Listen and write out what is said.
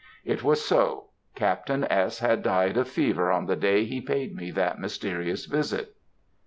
"It was so. Captain S. had died of fever on the day he paid me that mysterious visit."